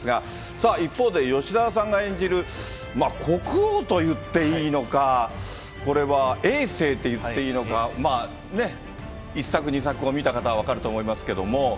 さあ一方で吉沢さんが演じる、国王と言っていいのか、これはえい政と言っていいのか、まあね、１作、２作を見た方は分かると思いますけど。